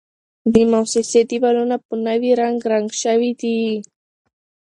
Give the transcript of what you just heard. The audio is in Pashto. د موسسې دېوالونه په نوي رنګ رنګ شوي دي.